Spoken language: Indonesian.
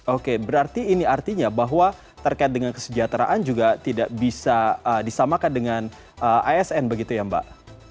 oke berarti ini artinya bahwa terkait dengan kesejahteraan juga tidak bisa disamakan dengan asn begitu ya mbak